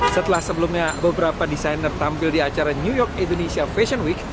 setelah sebelumnya beberapa desainer tampil di acara new york indonesia fashion week